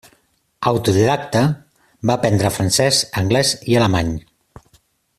Autodidacta, va aprendre francès, anglès i alemany.